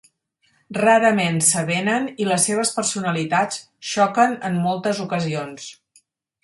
Rarament s'avenen i les seves personalitats xoquen en moltes ocasions.